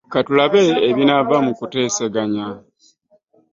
Ka tulabe ebinaava mu nteeseganya.